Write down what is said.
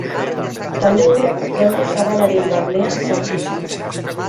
Talde hura Fronte Zabalaren barnean sartu zen.